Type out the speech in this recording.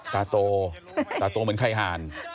ตาโตตาโตเหมือนไข่ห่าน